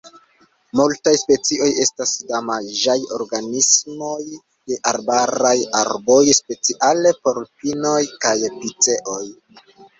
Multaj specioj estas damaĝaj organismoj de arbaraj arboj, speciale por pinoj kaj piceoj.